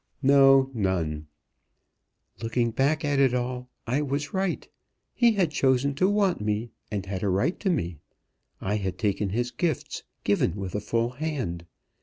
"No; none." "Looking back at it all, I was right. He had chosen to want me, and had a right to me. I had taken his gifts, given with a full hand.